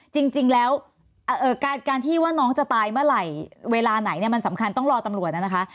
จริงแล้วการที่ว่าน้องจะตายเมื่อไหร่เวลาไหนเนี่ยมันสำคัญต้องรอตำรวจนะคะ